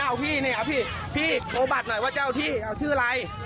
เอ้าพี่โปรบัติหน่อยว่าที่ชื่ออะไร